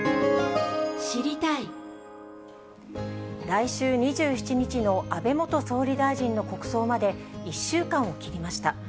来週２７日の安倍元総理大臣の国葬まで１週間を切りました。